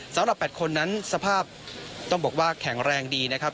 สำหรับ๘คนนั้นสภาพต้องบอกว่าแข็งแรงดีนะครับ